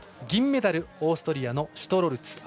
銀メダル、オーストリアのシュトロルツ。